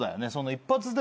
一発で。